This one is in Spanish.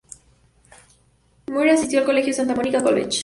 Muir asistió al colegio Santa Mónica College.